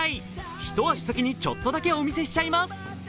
一足先にちょっとだけお見せしちゃいます。